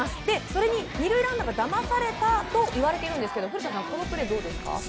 それに２塁ランナーがだまされたといわれているんですけど古田さん、このプレーはどうですか。